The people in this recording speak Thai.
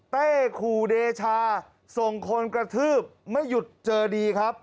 ขู่เดชาส่งคนกระทืบไม่หยุดเจอดีครับ